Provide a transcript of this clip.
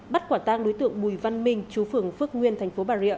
bắt quả tang đối tượng bùi văn minh chú phường phước nguyên thành phố bà rịa